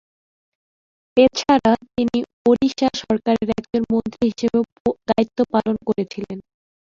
এছাড়া, তিনি ওড়িশা সরকারের একজন মন্ত্রী হিসেবেও দায়িত্ব পালন করেছিলেন।